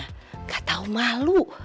nggak tahu malu